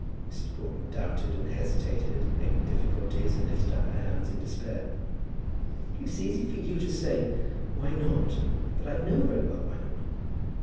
Mrs. Broughton doubted and hesitated, made difficulties, and lifted up her hands in despair. "It is easy for you to say, Why not? but I know very well why not."